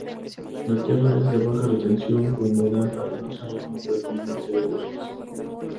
La tierra es de baja retención de humedad, arenosa y con predominancia de bosques.